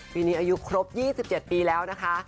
ปีนี้อายุครบ๒๗ปีแล้วนะคะ